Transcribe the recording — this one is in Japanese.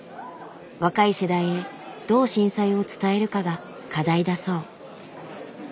若い世代へどう震災を伝えるかが課題だそう。